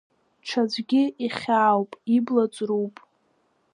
Ҽаӡәгьы ихьаауп, ибла ҵруп.